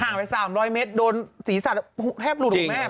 ห่างไป๓๐๐เมตรโดนสีสับแครบรู่ถูกไหม